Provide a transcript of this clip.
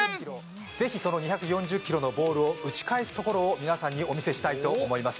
ぜひその２４０キロのボールを打ち返すところを皆さんにお見せしたいと思います。